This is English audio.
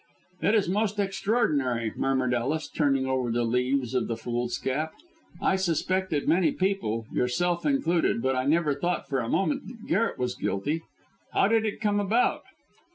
"It is most extraordinary," murmured Ellis, turning over the leaves of foolscap. "I suspected many people, yourself included, but I never thought for a moment that Garret was guilty. How did it come about?"